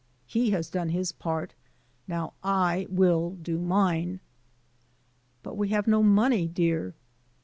He has done his part, now I will do mine." "But we have no money, dear."